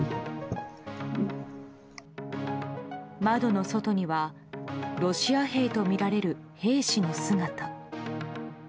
窓の外にはロシア兵とみられる兵士の姿。